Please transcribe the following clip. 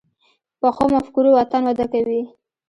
پخو مفکورو وطن وده کوي